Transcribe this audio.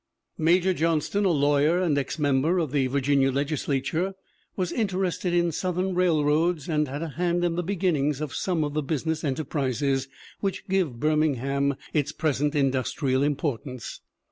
Major Johnston, a lawyer and ex member of the Virginia Legislature, was interested in Southern rail roads and had a hand in the beginnings of some of the business enterprises which give Birmingham its present industrial importance.